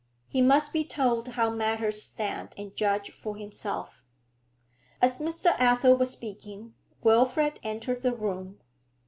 He must be told how matters stand, and judge for himself.' As Mr. Athel was speaking, Wilfrid entered the room.